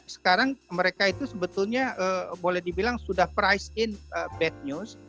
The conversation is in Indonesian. sekarang mereka itu sebetulnya boleh dibilang sudah price in bad news